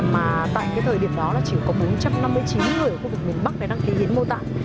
mà tại cái thời điểm đó chỉ có bốn trăm năm mươi chín người ở khu vực miền bắc đang thành hiến mô tạng